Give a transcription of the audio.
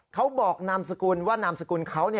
เขาบอกนามสกุลว่านามสกุลเขา